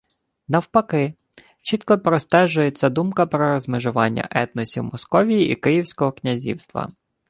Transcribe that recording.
Навпаки – чітко простежується думка про розмежування етносів Московії і Київського князівства